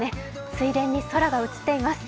水田に空が映っています。